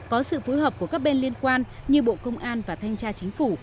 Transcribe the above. có sự phối hợp của các bên liên quan như bộ công an và thanh tra chính phủ